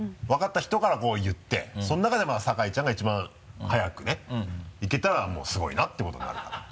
分かった人からこう言ってその中で酒井ちゃんが一番速くねいけたらもうすごいなってことになるから。